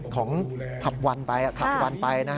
ของกลับวันไปนะครับ